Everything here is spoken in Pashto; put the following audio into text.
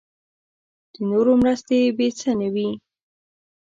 د نورو مرستې بې څه نه وي.